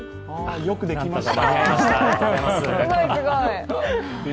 よくできました。